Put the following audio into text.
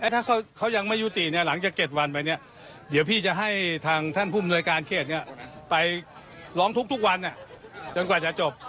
ถ้าเขายังไม่ยุติหลังจาก๗วันไปเนี่ยเดี๋ยวพี่จะให้ทางท่านผู้มนวยการเขตไปร้องทุกวันจนกว่าจะจบ